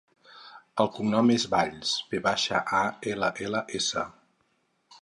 El cognom és Valls: ve baixa, a, ela, ela, essa.